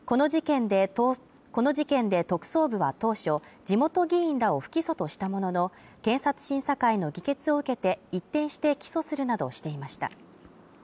この事件で特捜部は当初、地元議員らを不起訴としたものの検察審査会の議決を受けて一転して起訴するなどしていました。